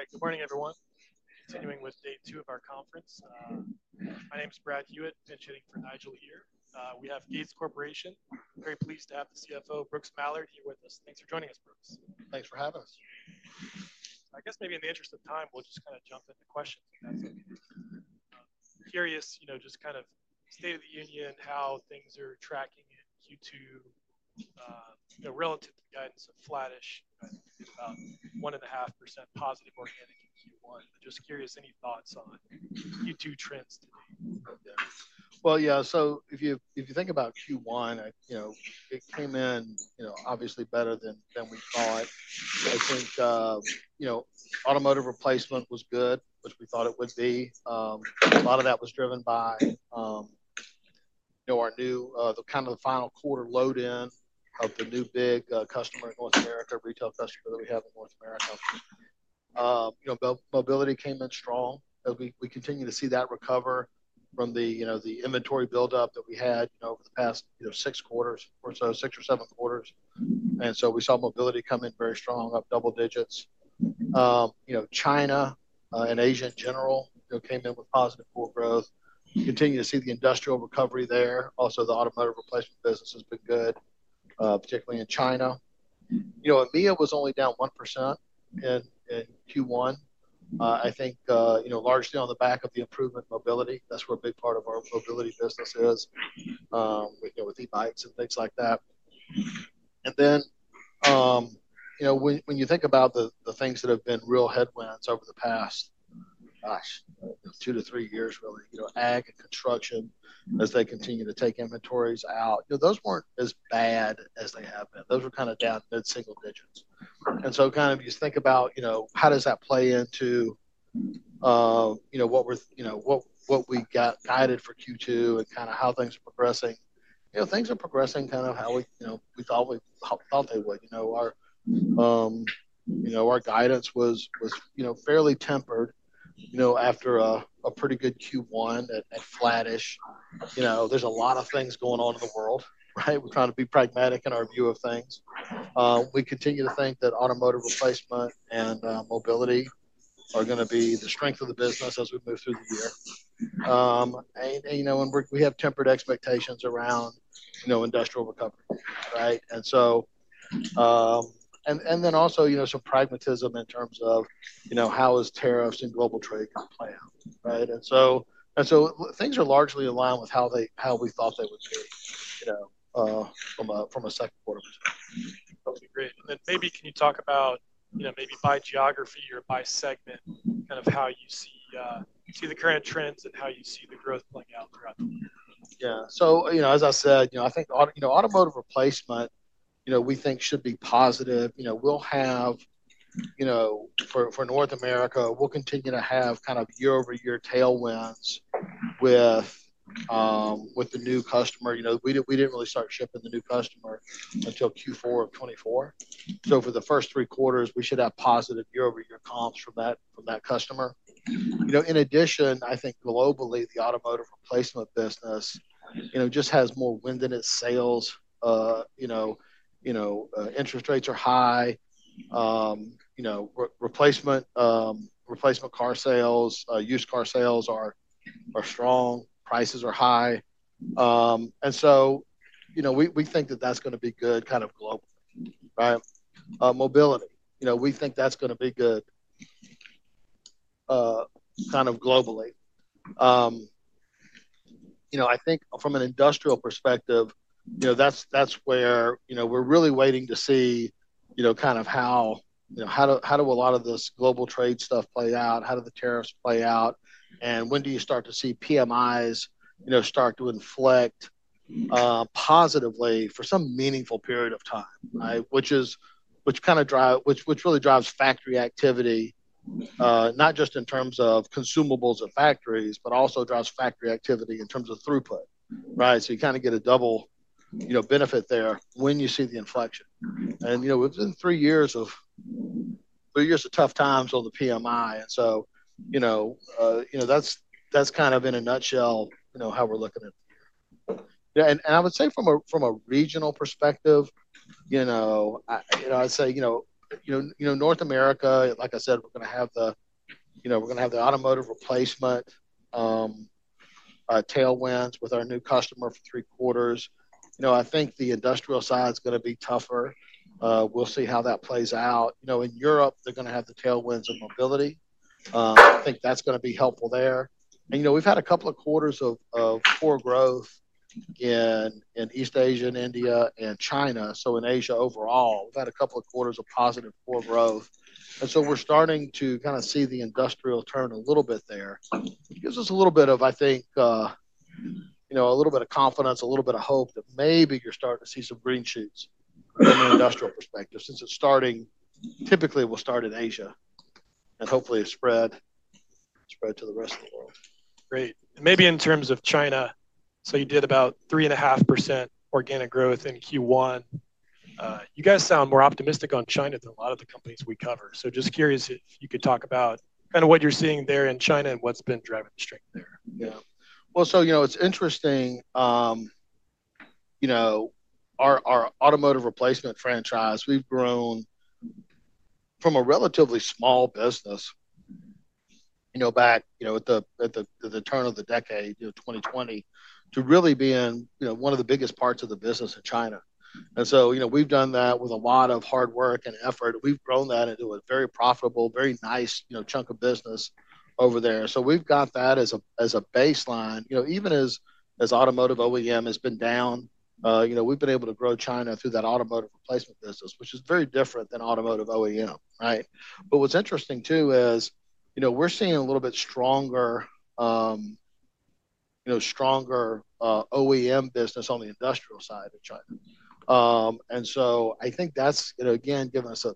All right. Good morning, everyone. Continuing with day two of our conference. My name is Brad Hewitt, pitching for Nigel here. We have Gates Corporation. Very pleased to have the CFO, Brooks Mallard, here with us. Thanks for joining us, Brooks. Thanks for having us. I guess maybe in the interest of time, we'll just kind of jump into questions. I'm curious, just kind of state of the union, how things are tracking in Q2 relative to the guidance of flattish, about 1.5% positive organic in Q1. Just curious, any thoughts on Q2 trends today? Yeah. If you think about Q1, it came in obviously better than we thought. I think automotive replacement was good, which we thought it would be. A lot of that was driven by our new kind of the final quarter load-in of the new big customer in North America, retail customer that we have in North America. Mobility came in strong. We continue to see that recover from the inventory buildup that we had over the past six quarters or so, six or seven quarters. We saw mobility come in very strong, up double digits. China and Asia in general came in with positive forward growth. Continue to see the industrial recovery there. Also, the automotive replacement business has been good, particularly in China. EMEA was only down 1% in Q1, I think largely on the back of the improvement in mobility. That's where a big part of our mobility business is, with e-bikes and things like that. And then when you think about the things that have been real headwinds over the past, gosh, two to three years, really, ag and construction, as they continue to take inventories out, those were not as bad as they have been. Those were kind of down mid-single digits. And so kind of you think about how does that play into what we got guided for Q2 and kind of how things are progressing. Things are progressing kind of how we thought they would. Our guidance was fairly tempered after a pretty good Q1 at flattish. There is a lot of things going on in the world, right? We are trying to be pragmatic in our view of things. We continue to think that automotive replacement and mobility are going to be the strength of the business as we move through the year. We have tempered expectations around industrial recovery, right? There is also some pragmatism in terms of how tariffs and global trade are going to play out, right? Things are largely aligned with how we thought they would be from a second quarter perspective. That would be great. Maybe can you talk about maybe by geography or by segment, kind of how you see the current trends and how you see the growth playing out throughout the year? Yeah. As I said, I think automotive replacement, we think should be positive. For North America, we'll continue to have kind of year-over-year tailwinds with the new customer. We did not really start shipping the new customer until Q4 of 2024. For the first three quarters, we should have positive year-over-year comps from that customer. In addition, I think globally, the automotive replacement business just has more wind in its sails. Interest rates are high. Replacement car sales, used car sales are strong. Prices are high. We think that is going to be good kind of globally, right? Mobility, we think that is going to be good kind of globally. I think from an industrial perspective, that is where we are really waiting to see kind of how do a lot of this global trade stuff play out? How do the tariffs play out? When do you start to see PMIs start to inflect positively for some meaningful period of time, right? Which kind of drives, which really drives factory activity, not just in terms of consumables at factories, but also drives factory activity in terms of throughput, right? You kind of get a double benefit there when you see the inflection. It's been three years of tough times on the PMI. That's kind of in a nutshell how we're looking at the year. I would say from a regional perspective, I'd say North America, like I said, we're going to have the automotive replacement tailwinds with our new customer for three quarters. I think the industrial side is going to be tougher. We'll see how that plays out. In Europe, they're going to have the tailwinds of mobility. I think that's going to be helpful there. We've had a couple of quarters of poor growth in East Asia, India, and China. In Asia overall, we've had a couple of quarters of positive poor growth. We're starting to kind of see the industrial turn a little bit there. It gives us a little bit of, I think, a little bit of confidence, a little bit of hope that maybe you're starting to see some green shoots from an industrial perspective since it typically will start in Asia and hopefully spread to the rest of the world. Great. Maybe in terms of China, you did about 3.5% organic growth in Q1. You guys sound more optimistic on China than a lot of the companies we cover. Just curious if you could talk about kind of what you are seeing there in China and what has been driving the strength there. Yeah. It is interesting. Our automotive replacement franchise, we have grown from a relatively small business back at the turn of the decade, 2020, to really being one of the biggest parts of the business in China. We have done that with a lot of hard work and effort. We have grown that into a very profitable, very nice chunk of business over there. We have that as a baseline. Even as automotive OEM has been down, we have been able to grow China through that automotive replacement business, which is very different than automotive OEM, right? What is interesting too is we are seeing a little bit stronger OEM business on the industrial side of China. I think that's, again, given us a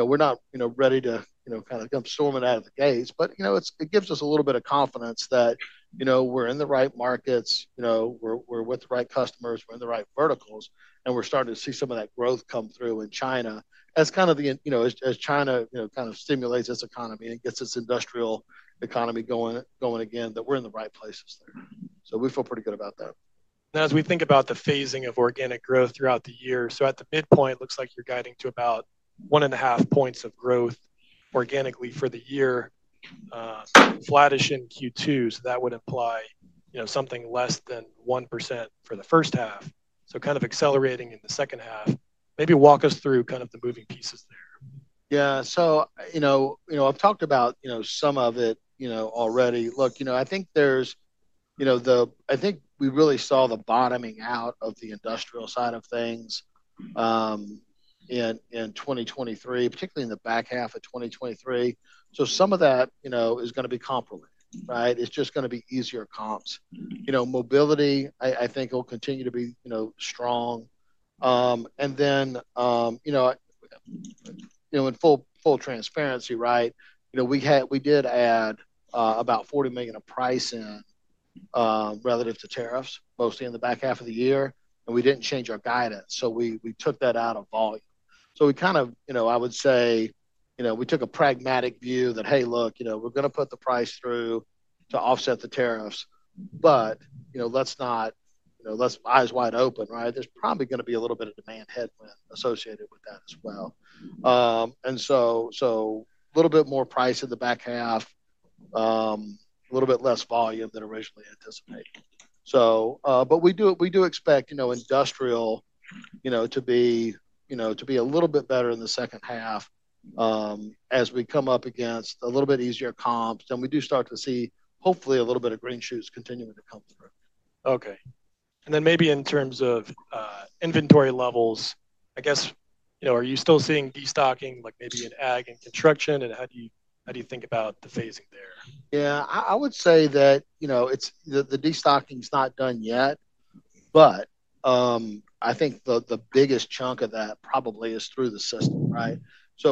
we're not ready to kind of come swimming out of the Gates, but it gives us a little bit of confidence that we're in the right markets, we're with the right customers, we're in the right verticals, and we're starting to see some of that growth come through in China as China kind of stimulates its economy and gets its industrial economy going again, that we're in the right places there. We feel pretty good about that. Now, as we think about the phasing of organic growth throughout the year, at the midpoint, it looks like you're guiding to about 1.5 percentage points of growth organically for the year. Flattish in Q2, that would imply something less than 1% for the first half, kind of accelerating in the second half. Maybe walk us through the moving pieces there. Yeah. I've talked about some of it already. Look, I think we really saw the bottoming out of the industrial side of things in 2023, particularly in the back half of 2023. Some of that is going to be comparable, right? It's just going to be easier comps. Mobility, I think, will continue to be strong. In full transparency, we did add about $40 million of price in relative to tariffs, mostly in the back half of the year, and we didn't change our guidance. We took that out of volume. I would say we took a pragmatic view that, "Hey, look, we're going to put the price through to offset the tariffs, but let's not, let's eyes wide open," right? There's probably going to be a little bit of demand headwind associated with that as well. A little bit more price in the back half, a little bit less volume than originally anticipated. We do expect industrial to be a little bit better in the second half as we come up against a little bit easier comps. We do start to see, hopefully, a little bit of green shoots continuing to come through. Okay. And then maybe in terms of inventory levels, I guess, are you still seeing destocking, maybe in ag and construction? How do you think about the phasing there? Yeah. I would say that the destocking is not done yet, but I think the biggest chunk of that probably is through the system, right?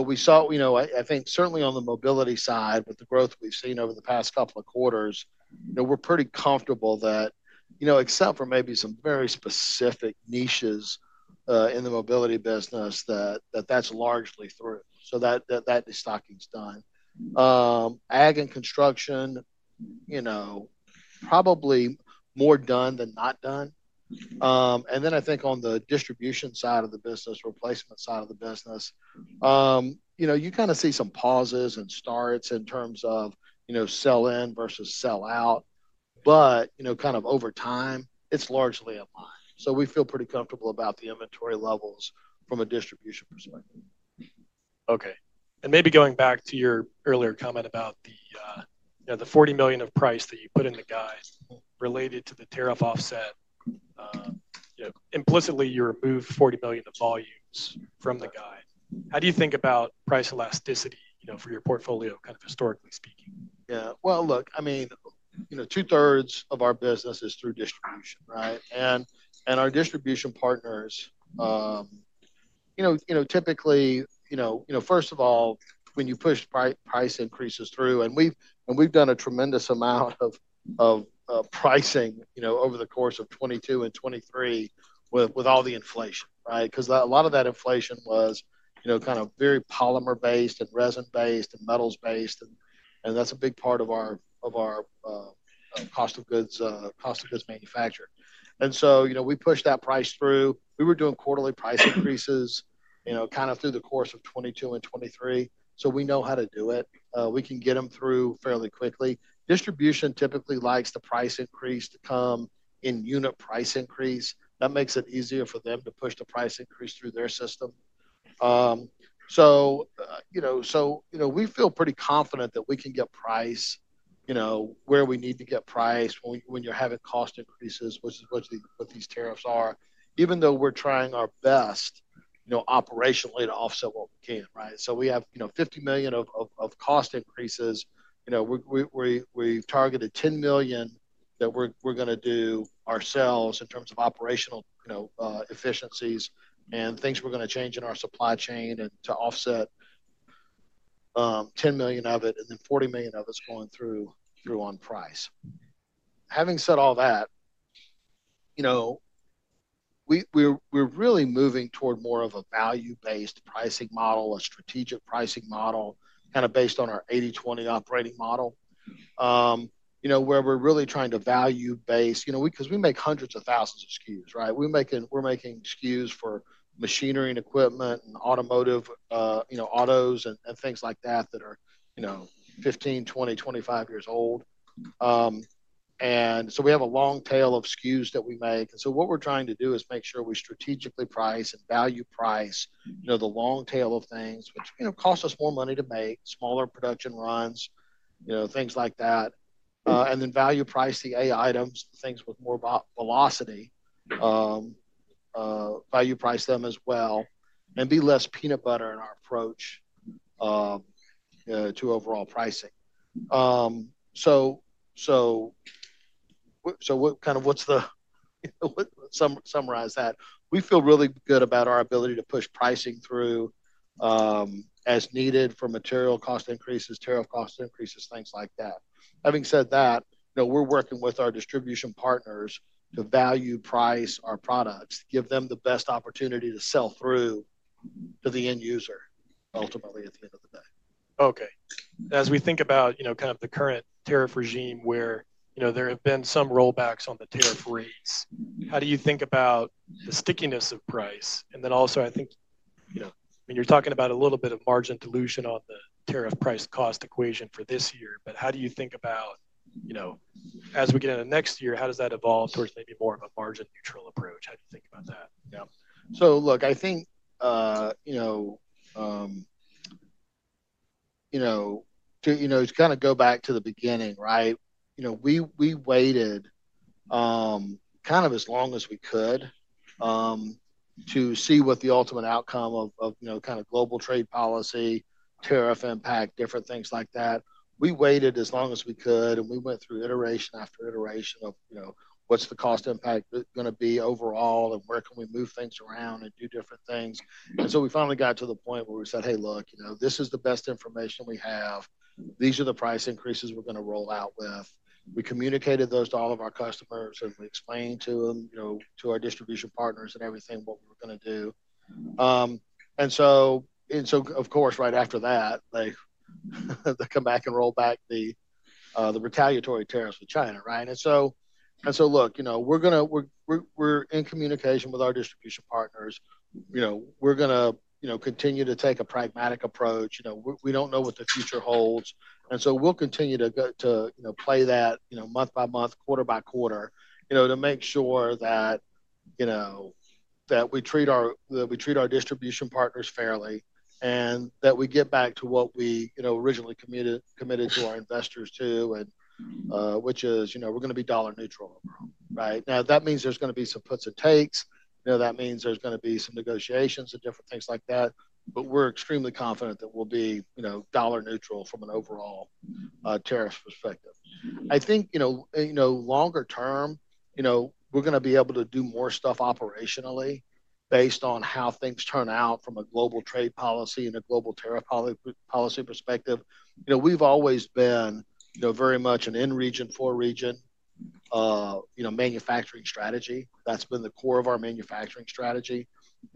We saw, I think, certainly on the mobility side, with the growth we've seen over the past couple of quarters, we're pretty comfortable that except for maybe some very specific niches in the mobility business, that's largely through. That destocking is done. Ag and construction, probably more done than not done. I think on the distribution side of the business, replacement side of the business, you kind of see some pauses and starts in terms of sell in versus sell out, but over time, it's largely aligned. We feel pretty comfortable about the inventory levels from a distribution perspective. Okay. Maybe going back to your earlier comment about the $40 million of price that you put in the guide related to the tariff offset, implicitly, you removed $40 million of volumes from the guide. How do you think about price elasticity for your portfolio, kind of historically speaking? Yeah. Look, I mean, two-thirds of our business is through distribution, right? Our distribution partners, typically, first of all, when you push price increases through, and we've done a tremendous amount of pricing over the course of 2022 and 2023 with all the inflation, right? Because a lot of that inflation was kind of very polymer-based and resin-based and metals-based. That is a big part of our cost of goods manufacturing. We pushed that price through. We were doing quarterly price increases kind of through the course of 2022 and 2023. We know how to do it. We can get them through fairly quickly. Distribution typically likes the price increase to come in unit price increase. That makes it easier for them to push the price increase through their system. We feel pretty confident that we can get price where we need to get price when you're having cost increases, which is what these tariffs are, even though we're trying our best operationally to offset what we can, right? We have $50 million of cost increases. We've targeted $10 million that we're going to do ourselves in terms of operational efficiencies and things we're going to change in our supply chain to offset $10 million of it, and then $40 million of it is going through on price. Having said all that, we're really moving toward more of a value-based pricing model, a strategic pricing model kind of based on our 80/20 operating model, where we're really trying to value-base, because we make hundreds of thousands of SKUs, right? We're making SKUs for machinery and equipment and automotive autos and things like that that are 15, 20, 25 years old. We have a long tail of SKUs that we make. What we're trying to do is make sure we strategically price and value-price the long tail of things, which costs us more money to make, smaller production runs, things like that. Then value-price the A items, things with more velocity, value-price them as well, and be less peanut butter in our approach to overall pricing. To kind of summarize that, we feel really good about our ability to push pricing through as needed for material cost increases, tariff cost increases, things like that. Having said that, we're working with our distribution partners to value-price our products, give them the best opportunity to sell through to the end user, ultimately, at the end of the day. Okay. As we think about kind of the current tariff regime where there have been some rollbacks on the tariff rates, how do you think about the stickiness of price? And then also, I think, I mean, you're talking about a little bit of margin dilution on the tariff price cost equation for this year, but how do you think about, as we get into next year, how does that evolve towards maybe more of a margin-neutral approach? How do you think about that? Yeah. Look, I think to kind of go back to the beginning, right? We waited as long as we could to see what the ultimate outcome of global trade policy, tariff impact, different things like that. We waited as long as we could, and we went through iteration after iteration of what is the cost impact going to be overall, and where can we move things around and do different things. We finally got to the point where we said, "Hey, look, this is the best information we have. These are the price increases we are going to roll out with." We communicated those to all of our customers, and we explained to them, to our distribution partners and everything, what we were going to do. Of course, right after that, they come back and roll back the retaliatory tariffs with China, right? Look, we're in communication with our distribution partners. We're going to continue to take a pragmatic approach. We don't know what the future holds. We'll continue to play that month by month, quarter by quarter to make sure that we treat our distribution partners fairly and that we get back to what we originally committed to our investors to, which is we're going to be dollar neutral overall, right? That means there's going to be some puts and takes. That means there's going to be some negotiations and different things like that. We're extremely confident that we'll be dollar neutral from an overall tariff perspective. I think longer term, we're going to be able to do more stuff operationally based on how things turn out from a global trade policy and a global tariff policy perspective. We've always been very much an in-region, for-region manufacturing strategy. That's been the core of our manufacturing strategy.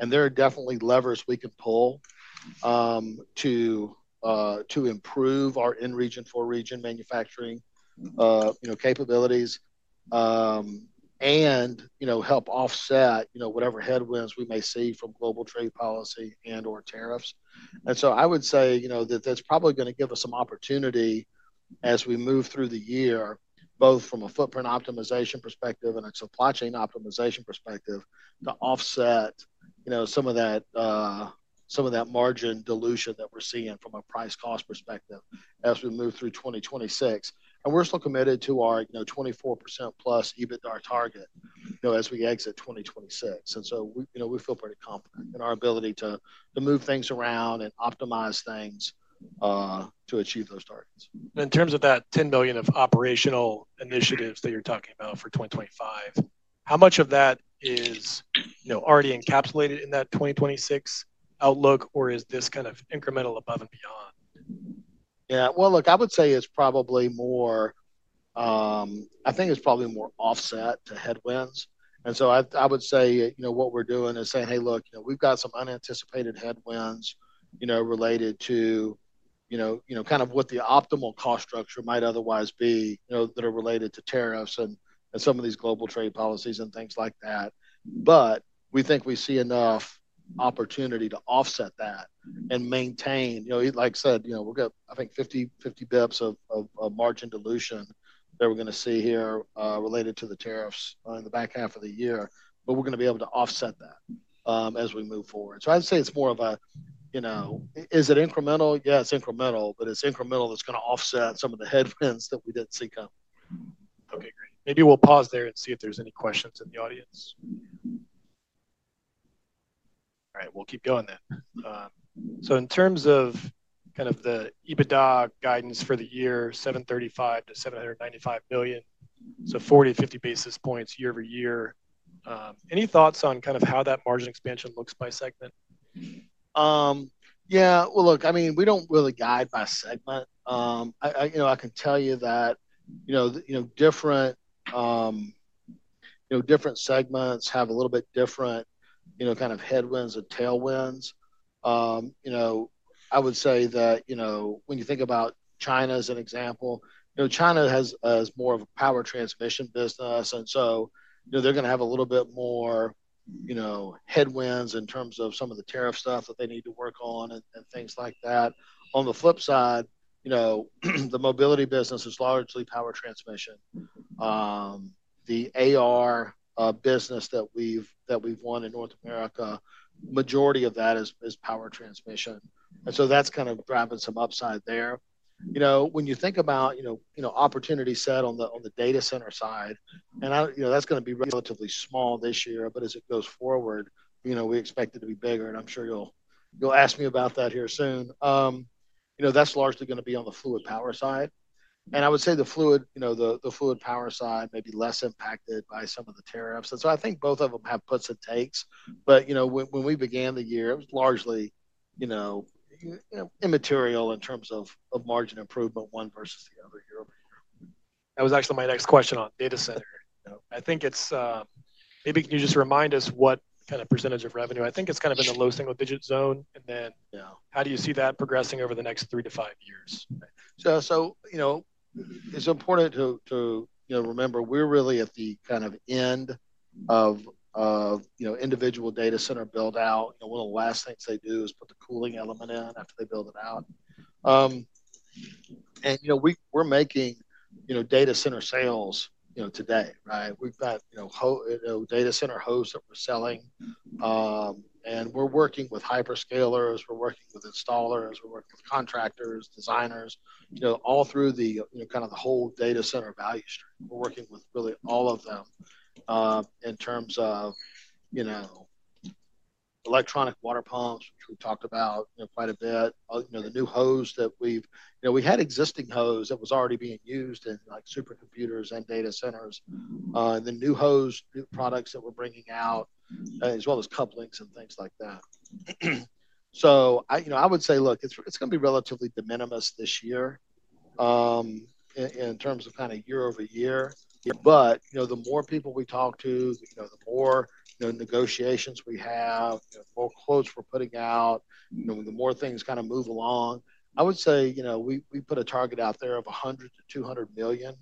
There are definitely levers we can pull to improve our in-region, for-region manufacturing capabilities and help offset whatever headwinds we may see from global trade policy and/or tariffs. I would say that that's probably going to give us some opportunity as we move through the year, both from a footprint optimization perspective and a supply chain optimization perspective, to offset some of that margin dilution that we're seeing from a price cost perspective as we move through 2026. We're still committed to our 24%+ EBITDA target as we exit 2026. We feel pretty confident in our ability to move things around and optimize things to achieve those targets. In terms of that $10 million of operational initiatives that you're talking about for 2025, how much of that is already encapsulated in that 2026 outlook, or is this kind of incremental above and beyond? Yeah. Look, I would say it's probably more, I think it's probably more offset to headwinds. I would say what we're doing is saying, "Hey, look, we've got some unanticipated headwinds related to kind of what the optimal cost structure might otherwise be that are related to tariffs and some of these global trade policies and things like that." We think we see enough opportunity to offset that and maintain, like I said, we've got, I think, 50 bps of margin dilution that we're going to see here related to the tariffs in the back half of the year. We're going to be able to offset that as we move forward. I'd say it's more of a, is it incremental? Yeah, it's incremental, but it's incremental that's going to offset some of the headwinds that we didn't see coming. Okay. Great. Maybe we'll pause there and see if there's any questions in the audience. All right. We'll keep going then. In terms of kind of the EBITDA guidance for the year, $735 million-$795 million, so 40-50 basis points year-over-year. Any thoughts on kind of how that margin expansion looks by segment? Yeah. Look, I mean, we do not really guide by segment. I can tell you that different segments have a little bit different kind of headwinds and tailwinds. I would say that when you think about China as an example, China has more of a power transmission business. They are going to have a little bit more headwinds in terms of some of the tariff stuff that they need to work on and things like that. On the flip side, the mobility business is largely power transmission. The AR business that we have won in North America, majority of that is power transmission. That is kind of driving some upside there. When you think about opportunity set on the data center side, that is going to be relatively small this year, but as it goes forward, we expect it to be bigger. I'm sure you'll ask me about that here soon. That's largely going to be on the fluid power side. I would say the fluid power side may be less impacted by some of the tariffs. I think both of them have puts and takes. When we began the year, it was largely immaterial in terms of margin improvement one versus the other year-over-year. That was actually my next question on data center. I think it's maybe can you just remind us what kind of percentage of revenue? I think it's kind of in the low single digit zone. How do you see that progressing over the next three to five years? It's important to remember we're really at the kind of end of individual data center build-out. One of the last things they do is put the cooling element in after they build it out. We're making data center sales today, right? We've got data center hose that we're selling. We're working with hyperscalers. We're working with installers. We're working with contractors, designers, all through kind of the whole data center value stream. We're working with really all of them in terms of electronic water pumps, which we've talked about quite a bit, the new hose that we've—we had existing hose that was already being used in SuperComputers and data centers, the new hose products that we're bringing out, as well as couplings and things like that. I would say, look, it's going to be relatively de minimis this year in terms of kind of year-over-year. The more people we talk to, the more negotiations we have, the more quotes we're putting out, the more things kind of move along. I would say we put a target out there of $100 million-$200 million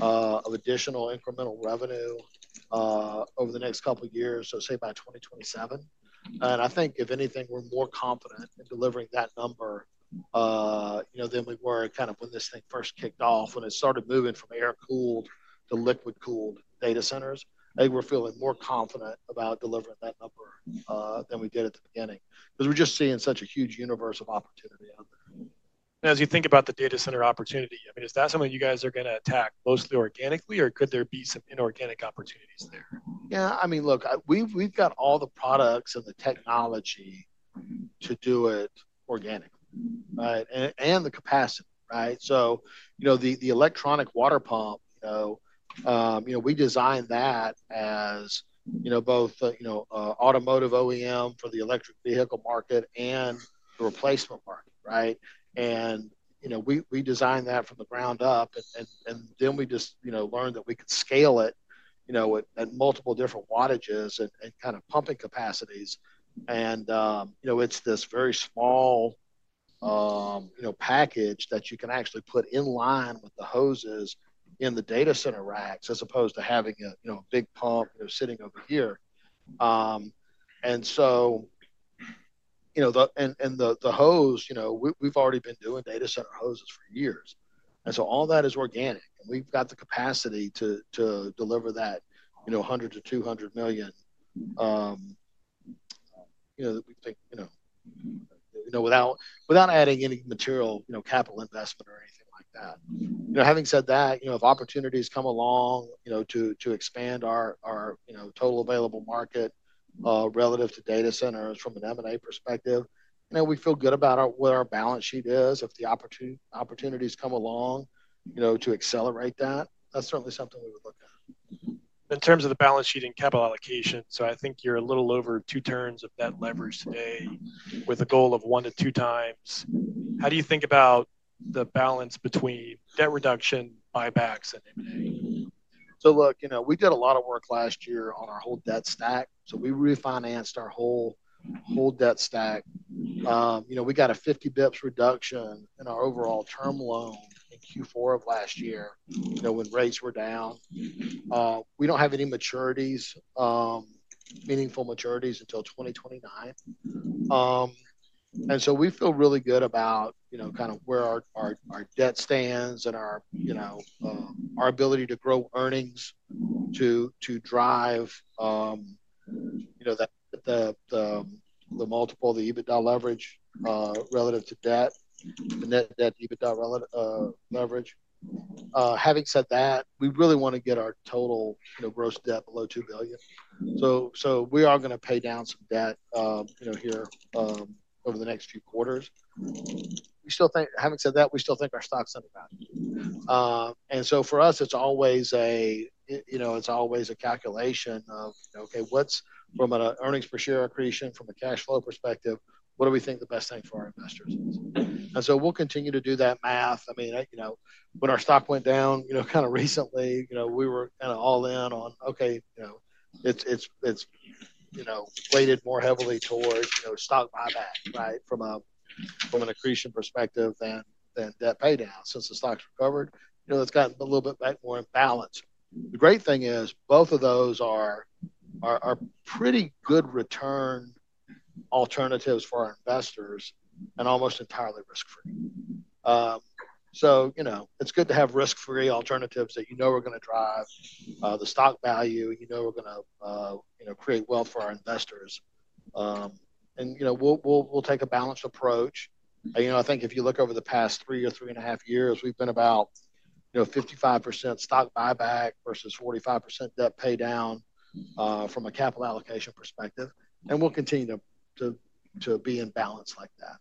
of additional incremental revenue over the next couple of years, so say by 2027. I think, if anything, we're more confident in delivering that number than we were kind of when this thing first kicked off, when it started moving from air-cooled to liquid-cooled data centers. I think we're feeling more confident about delivering that number than we did at the beginning because we're just seeing such a huge universe of opportunity out there. As you think about the data center opportunity, I mean, is that something you guys are going to attack mostly organically, or could there be some inorganic opportunities there? Yeah. I mean, look, we've got all the products and the technology to do it organically, right, and the capacity, right? The electronic water pump, we designed that as both automotive OEM for the electric vehicle market and the replacement market, right? We designed that from the ground up. We just learned that we could scale it at multiple different wattages and kind of pumping capacities. It is this very small package that you can actually put in line with the hoses in the data center racks as opposed to having a big pump sitting over here. The hose, we've already been doing data center hoses for years. All that is organic. We've got the capacity to deliver that $100 million-$200 million that we think without adding any material capital investment or anything like that. Having said that, if opportunities come along to expand our total available market relative to data centers from an M&A perspective, we feel good about where our balance sheet is if the opportunities come along to accelerate that. That is certainly something we would look at. In terms of the balance sheet and capital allocation, I think you're a little over two turns of net leverage today with a goal of one to two times. How do you think about the balance between debt reduction, buybacks, and M&A? Look, we did a lot of work last year on our whole debt stack. We refinanced our whole debt stack. We got a 50 bps reduction in our overall term loan in Q4 of last year when rates were down. We do not have any maturities, meaningful maturities until 2029. We feel really good about kind of where our debt stands and our ability to grow earnings to drive the multiple, the EBITDA leverage relative to debt, the net debt EBITDA leverage. Having said that, we really want to get our total gross debt below $2 billion. We are going to pay down some debt here over the next few quarters. Having said that, we still think our stock is undervalued. For us, it's always a calculation of, okay, from an earnings per share accretion from a cash flow perspective, what do we think the best thing for our investors is? We'll continue to do that math. I mean, when our stock went down kind of recently, we were kind of all in on, okay, it's weighted more heavily towards stock buyback, right, from an accretion perspective than debt paydown. Since the stock's recovered, it's gotten a little bit more in balance. The great thing is both of those are pretty good return alternatives for our investors and almost entirely risk-free. It's good to have risk-free alternatives that you know are going to drive the stock value. You know we're going to create wealth for our investors. We'll take a balanced approach. I think if you look over the past three or three and a half years, we've been about 55% stock buyback versus 45% debt paydown from a capital allocation perspective. We'll continue to be in balance like that,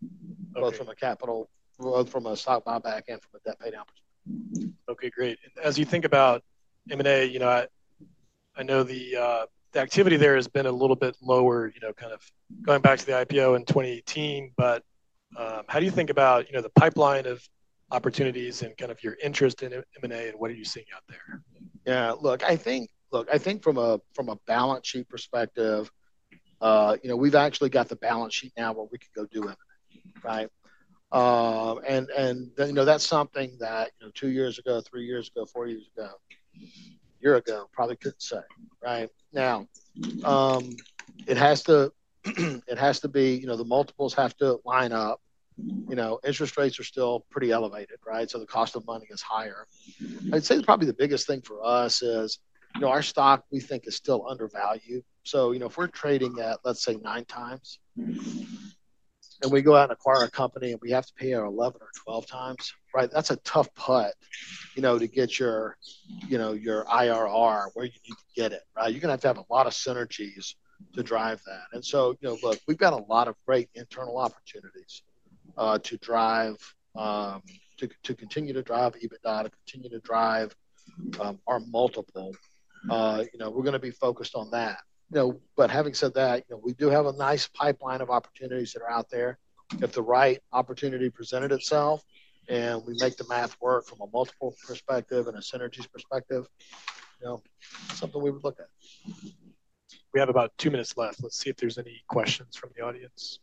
both from a capital, both from a stock buyback and from a debt paydown perspective. Okay. Great. As you think about M&A, I know the activity there has been a little bit lower, kind of going back to the IPO in 2018. How do you think about the pipeline of opportunities and kind of your interest in M&A and what are you seeing out there? Yeah. Look, I think from a balance sheet perspective, we've actually got the balance sheet now where we can go do M&A, right? That's something that two years ago, three years ago, four years ago, a year ago, probably could not say, right? Now, it has to be the multiples have to line up. Interest rates are still pretty elevated, right? The cost of money is higher. I'd say probably the biggest thing for us is our stock, we think, is still undervalued. If we're trading at, let's say, 9 times, and we go out and acquire a company and we have to pay 11 or 12 times, right, that's a tough putt to get your IRR where you need to get it, right? You're going to have to have a lot of synergies to drive that. Look, we've got a lot of great internal opportunities to continue to drive EBITDA, to continue to drive our multiple. We're going to be focused on that. Having said that, we do have a nice pipeline of opportunities that are out there. If the right opportunity presented itself and we make the math work from a multiple perspective and a synergies perspective, it's something we would look at. We have about two minutes left. Let's see if there's any questions from the audience.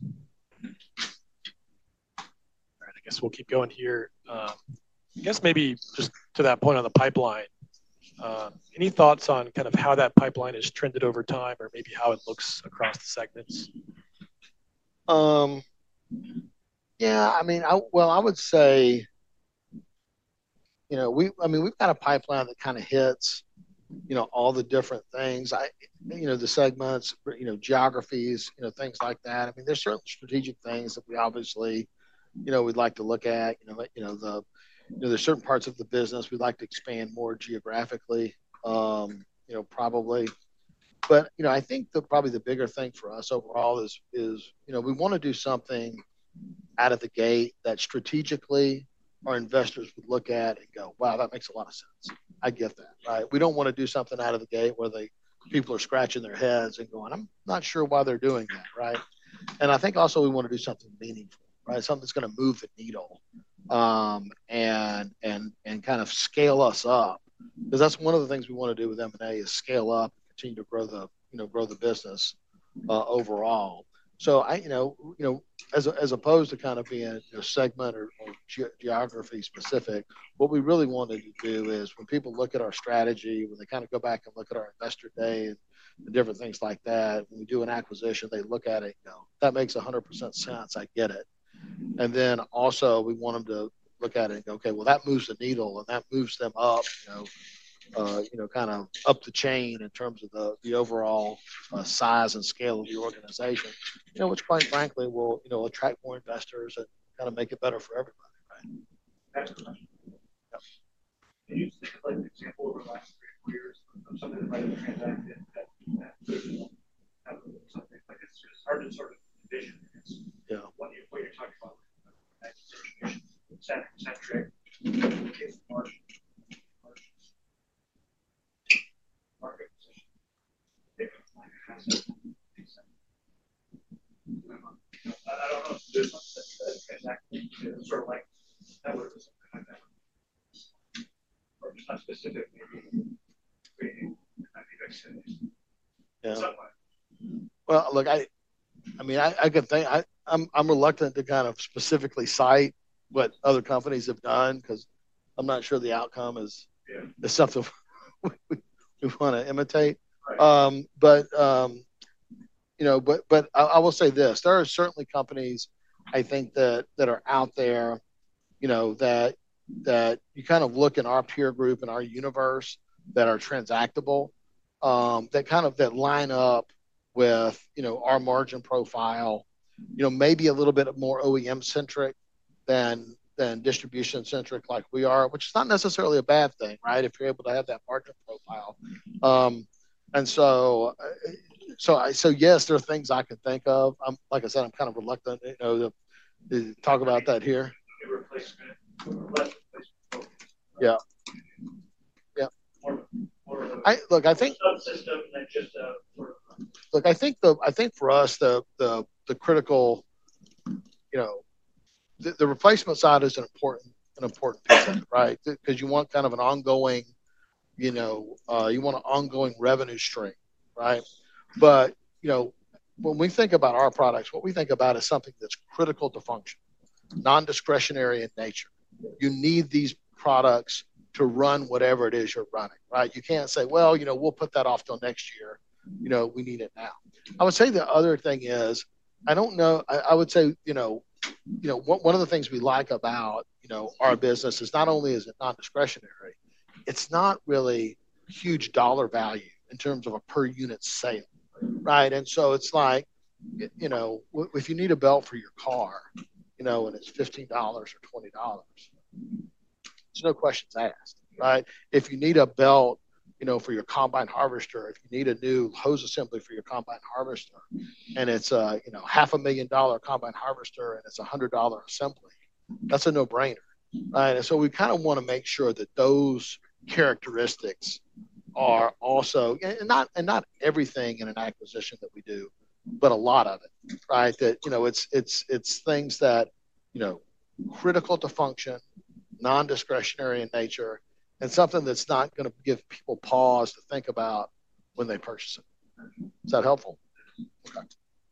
All right. I guess we'll keep going here. I guess maybe just to that point on the pipeline, any thoughts on kind of how that pipeline has trended over time or maybe how it looks across the segments? Yeah. I mean, I would say, I mean, we've got a pipeline that kind of hits all the different things, the segments, geographies, things like that. I mean, there are certain strategic things that we obviously would like to look at. There are certain parts of the business we'd like to expand more geographically, probably. I think probably the bigger thing for us overall is we want to do something out of the gate that strategically our investors would look at and go, "Wow, that makes a lot of sense. I get that," right? We do not want to do something out of the gate where people are scratching their heads and going, "I'm not sure why they're doing that," right? I think also we want to do something meaningful, right? Something that's going to move the needle and kind of scale us up because that's one of the things we want to do with M&A is scale up, continue to grow the business overall. As opposed to kind of being segment or geography specific, what we really wanted to do is when people look at our strategy, when they kind of go back and look at our investor days and different things like that, when we do an acquisition, they look at it, "That makes 100% sense. I get it." We also want them to look at it and go, "Okay, well, that moves the needle and that moves them up kind of up the chain in terms of the overall size and scale of the organization," which, quite frankly, will attract more investors and kind of make it better for everybody, right? Excellent. Can you think of an example over the last three or four years of something that might have transacted that could have something like it's just hard to sort of envision what you're talking about with? I mean, I'm reluctant to kind of specifically cite what other companies have done because I'm not sure the outcome is something we want to imitate. I will say this. There are certainly companies, I think, that are out there that you kind of look in our peer group and our universe that are transactable that kind of line up with our margin profile, maybe a little bit more OEM-centric than distribution-centric like we are, which is not necessarily a bad thing, right, if you're able to have that market profile. Yes, there are things I could think of. Like I said, I'm kind of reluctant to talk about that here. Replacement. Yeah. Yeah. Look, I think. Subsystem than just a. Look, I think for us, the critical, the replacement side is an important piece of it, right, because you want kind of an ongoing, you want an ongoing revenue stream, right? When we think about our products, what we think about is something that's critical to function, non-discretionary in nature. You need these products to run whatever it is you're running, right? You can't say, "Well, we'll put that off till next year. We need it now." I would say the other thing is, I don't know, I would say one of the things we like about our business is not only is it non-discretionary, it's not really huge dollar value in terms of a per unit sale, right? It's like if you need a belt for your car and it's $15 or $20, there's no questions asked, right? If you need a belt for your combine harvester, if you need a new hose assembly for your combine harvester, and it is a $500,000 combine harvester and it is a $100 assembly, that is a no-brainer, right? We kind of want to make sure that those characteristics are also, and not everything in an acquisition that we do, but a lot of it, right? It is things that are critical to function, non-discretionary in nature, and something that is not going to give people pause to think about when they purchase it. Is that helpful?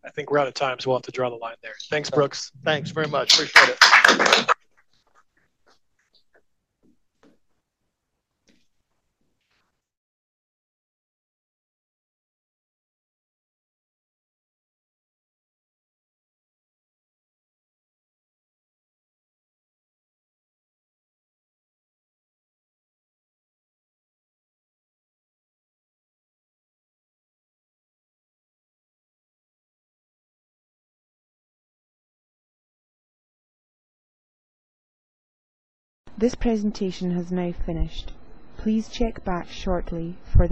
I think we're out of time. So we'll have to draw the line there. Thanks, Brooks. Thanks very much. Appreciate it. This presentation has now finished. Please check back shortly for the.